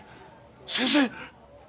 先生。